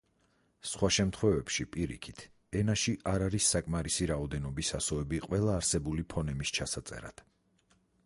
სხვა შემთხვევებში პირიქით, ენაში არ არის საკმარისი რაოდენობის ასოები ყველა არსებული ფონემის ჩასაწერად.